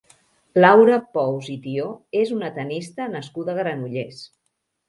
Laura Pous i Tió és una tennista nascuda a Granollers.